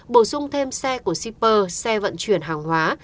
bổ sung thêm xe của shipper xe vận chuyển hàng hóa